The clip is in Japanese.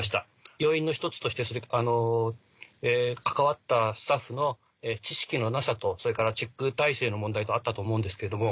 要因の一つとして関わったスタッフの知識のなさとそれからチェック体制の問題とあったと思うんですけども。